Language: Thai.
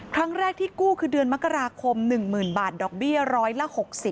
ครั้งแรกที่กู้คือเดือนมกราคม๑๐๐๐บาทดอกเบี้ยร้อยละ๖๐